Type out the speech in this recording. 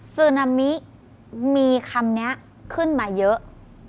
ซึนามิมีคำนี้ขึ้นมาเยอะ